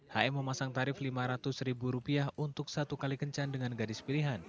hm memasang tarif lima ratus ribu rupiah untuk satu kali kencan dengan gadis pilihan